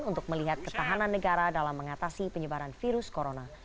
untuk melihat ketahanan negara dalam mengatasi penyebaran virus corona